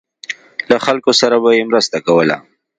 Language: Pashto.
له خلکو سره به یې مرسته کوله.